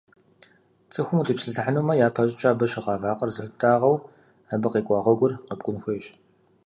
Цӏыхум утепсэлъыхьынумэ, япэщӏыкӏэ абы щыгъа вакъэр зылъыптӏагъэу, абы къикӏуа гъуэгур къэпкӏун хуейщ.